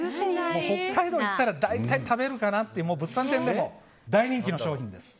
北海道に行ったら大体食べるかなという物産展でも大人気の商品です。